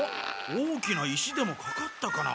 大きな石でもかかったかな？